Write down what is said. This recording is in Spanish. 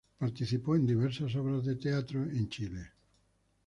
Participó diversas obras de teatro en Chile.